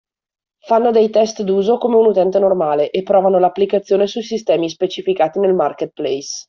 Fanno dei test d’uso come un utente normale e provano l’applicazione sui sistemi specificati nel marketplace.